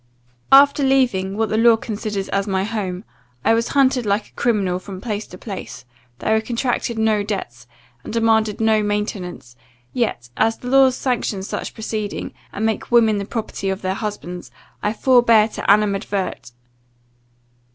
"After leaving, what the law considers as my home, I was hunted like a criminal from place to place, though I contracted no debts, and demanded no maintenance yet, as the laws sanction such proceeding, and make women the property of their husbands, I forbear to animadvert.